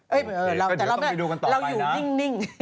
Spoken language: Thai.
เอ้ยเราอยู่นิ่ง